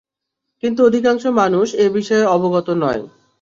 কিন্তু অধিকাংশ মানুষ এ বিষয়ে অবগত নয়।